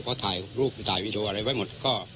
ก็ถ่ายรูปถ่ายวีดีโออะไรไว้หมด